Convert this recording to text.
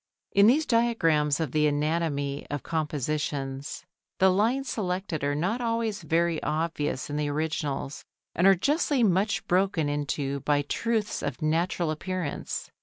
In these diagrams of the anatomy of compositions the lines selected are not always very obvious in the originals and are justly much broken into by truths of natural appearance.